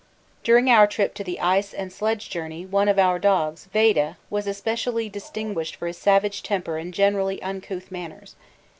During our trip to the ice and sledge journey one of our dogs, Vaida, was especially distinguished for his savage temper and generally uncouth manners.